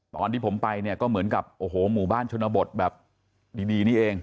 ตอนที่ผมไปเนี่ยก็เหมือนกับโอ้โหหมู่บ้านชนบทแบบดีนี่เอง